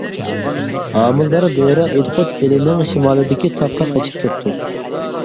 ھامىلىدار بۆرە ئىدىقۇت ئېلىنىڭ شىمالىدىكى تاغقا قېچىپ كەپتۇ.